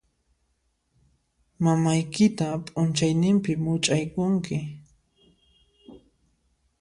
Mamaykita p'unchaynimpi much'aykunki.